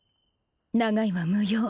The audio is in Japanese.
長居は無用